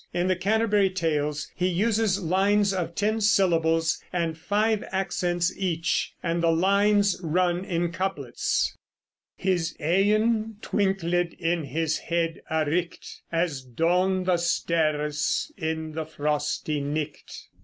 In the Canterbury Tales he uses lines of ten syllables and five accents each, and the lines run in couplets: His eyen twinkled in his heed aright As doon the sterres in the frosty night.